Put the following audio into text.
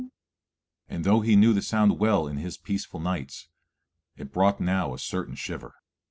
_ and though he knew the sound well in his peaceful nights, it brought now a certain shiver.